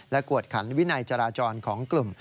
กวดขันวินัยจราจรของกลุ่ม